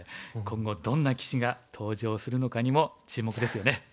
今後どんな棋士が登場するのかにも注目ですよね。